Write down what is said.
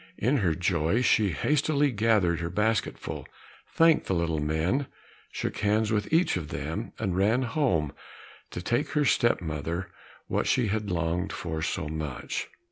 In her joy she hastily gathered her basket full, thanked the little men, shook hands with each of them, and ran home to take her step mother what she had longed for so much.